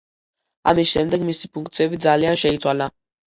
ამის შემდეგ მისი ფუნქციები ძალიან შეიცვალა.